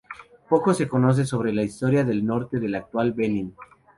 Poco se conoce sobre la historia del norte del actual Benin.